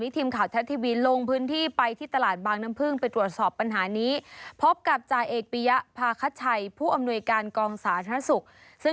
ถ้าในวันดูโอ้โฮสวยขี่รถจักรยานยนต์คุณ